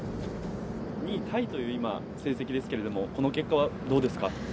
◆２位タイという、今、成績ですけれども、この結果はどうですか。